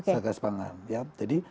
satgas panganan ya jadi